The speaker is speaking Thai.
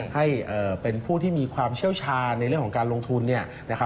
ให้เป็นผู้ที่มีความเชี่ยวชาญในเรื่องของการลงทุน